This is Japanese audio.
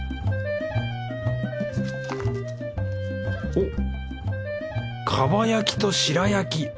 おっ蒲焼と白焼き。